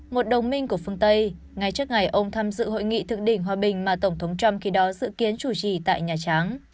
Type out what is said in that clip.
một đồng minh của phương tây ngay trước ngày ông tham dự hội nghị thượng đỉnh hòa bình mà tổng thống trump khi đó dự kiến chủ trì tại nhà trắng